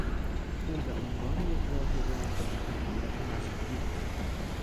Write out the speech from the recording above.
او به عنوان یک راهبه به ماموریت مذهبی رفت.